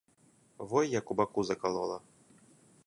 Ой, як у баку закалола.